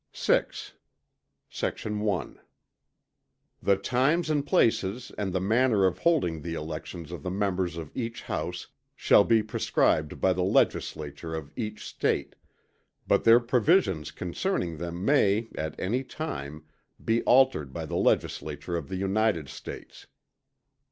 VI Sect. 1. The times and places and the manner of holding the elections of the members of each House shall be prescribed by the Legislature of each State; but their provisions concerning them may, at any time, be altered by the Legislature of the United States.